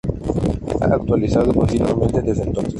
Se ha actualizado continuamente desde entonces.